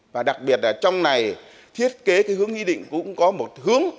và đặc biệt là trong này thiết kế hướng nghị định cũng có một hướng